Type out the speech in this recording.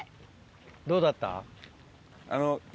どうだった？